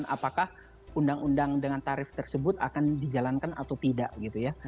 apakah undang undang dengan tarif tersebut akan dijalankan atau tidak gitu ya